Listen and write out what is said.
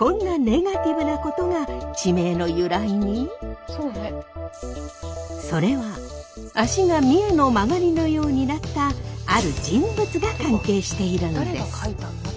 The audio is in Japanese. でもそれは足が三重の勾のようになったある人物が関係しているんです。